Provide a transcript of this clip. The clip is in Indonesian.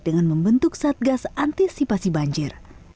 dengan membentuk satgas antisipasi banjir